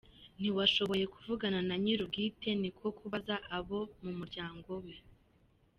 Ntitwashoboye kuvugana na nyiri ubwite, niko kubaza abo mu mulyango we.